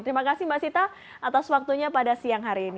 terima kasih mbak sita atas waktunya pada siang hari ini